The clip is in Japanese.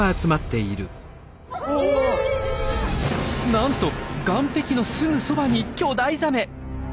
なんと岸壁のすぐそばに巨大ザメ！